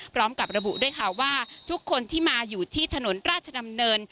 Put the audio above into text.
พร้อมกับระบุด้วยค่ะว่าทุกคนที่มาอยู่ที่ถนนราชดำเนิน